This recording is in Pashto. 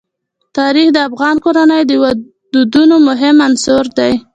تاریخ د افغان کورنیو د دودونو مهم عنصر دی.